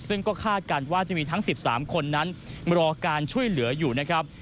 ซึ่งก็คาดกันว่าจะมีทั้ง๑๓คนนั้นรอการช่วยเหลืออยู่นะครับ